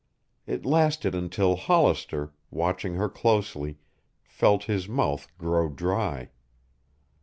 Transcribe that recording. It lasted until Hollister, watching her closely, felt his mouth grow dry.